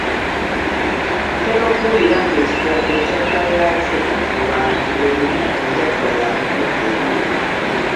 Ntera okuwulira ng'ekigambo enjatula yaakyo mu bantu erimu enjatula ya mirundi ebiri.